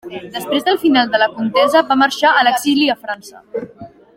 Després del final de la contesa va marxar a l'exili a França.